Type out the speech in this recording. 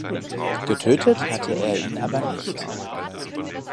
Getötet hätte er ihn aber nicht.